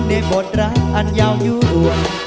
ในบทรัพย์อันยาวอยู่อ่วน